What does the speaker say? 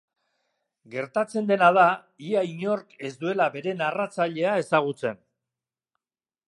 Gertatzen dena da ia inork ez duela bere narratzailea ezagutzen.